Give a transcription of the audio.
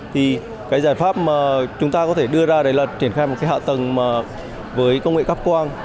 thì cái giải pháp mà chúng ta có thể đưa ra là triển khai một hạ tầng với công nghệ cấp quang